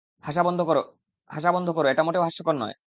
হাসা বন্ধ করো, এটা মোটেও হাস্যকর নয়।